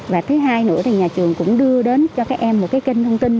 và thứ hai nữa là nhà trường cũng đưa đến cho các em một kênh thông tin